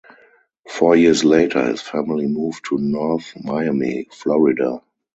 Four years later his family moved to North Miami, Florida.